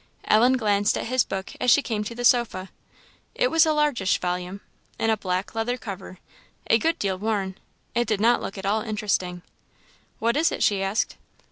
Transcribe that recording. Ellen glanced at his book as she came to the sofa; it was a largish volume, in a black leather cover, a good deal worn; it did not look at all interesting. "What is it?" she asked.